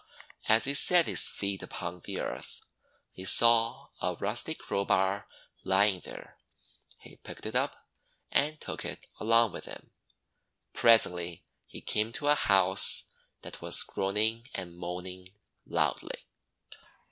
As he set his feet upon the earth, he saw a rusty crowbar lying there. He picked it up and took it along with him. Presently he came to a House that was groan ing and moaning loudly.